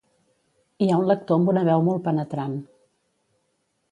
Hi ha un lector amb una veu molt penetrant